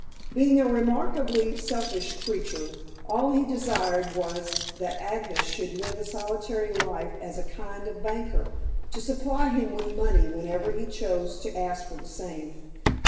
Being a remarkably selfish creature, all he desired was that Agnes should live a solitary life as a kind of banker, to supply him with money whenever he chose to ask for the same.